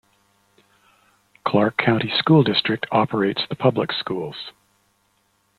Clark County School District operates the public schools.